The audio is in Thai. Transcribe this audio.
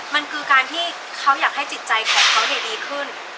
มันคือการที่เขาอยากให้จิตใจของเขาดีขึ้น